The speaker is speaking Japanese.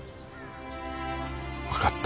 分かった。